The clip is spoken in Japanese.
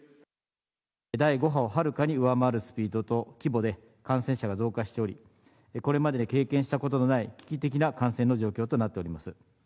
第５波をはるかに上回るスピードと規模で感染者が増加しており、これまで経験したことのない危機的な感染の状況となっております。